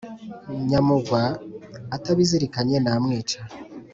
nyamugwa atabizirikanye namwica